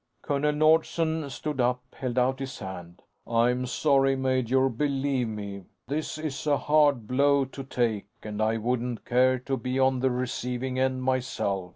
Colonel Nordsen stood up, held out his hand. "I'm sorry, major, believe me. This is a hard blow to take and I wouldn't care to be on the receiving end, myself.